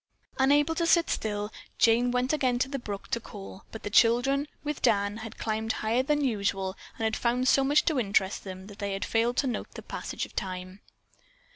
Unable to sit still, Jane went again to the brook to call, but the children, with Dan, had climbed higher than usual and had found so much to interest them that they had failed to note the passage of time.